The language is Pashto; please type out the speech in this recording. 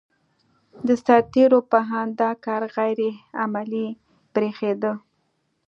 د سرتېرو په اند دا کار غیر عملي برېښېده.